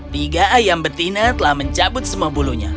tiga ayam betina telah mencabut semua bulunya